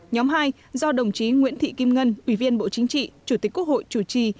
nhóm hai do đồng chí nguyễn thị kim ngân ủy viên bộ chính trị chủ tịch quốc hội chủ trì